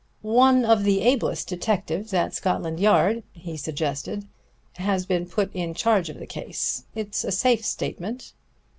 "One of the ablest detectives at Scotland Yard," he suggested, "has been put in charge of the case. It's a safe statement."